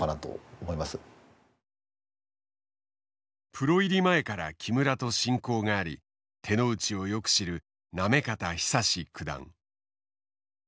プロ入り前から木村と親交があり手の内をよく知る行方尚史九段。